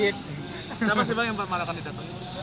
siapa sih bang yang membuat malah kandidat